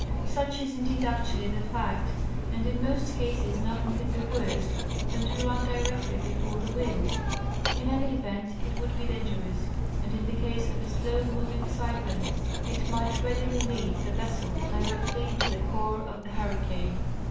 Such is, indeed, actually the fact, and in most cases nothing could be worse than to run directly before the wind ; in any event it would be dangerous, and in the case of a slow moving cyclone it might readily lead the vessel directly into the core of the hurricane.